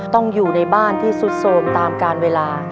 ต้องอยู่ในบ้านที่สุดโสมตามการเวลา